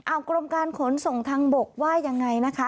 เอากรมการขนส่งทางบกว่ายังไงนะคะ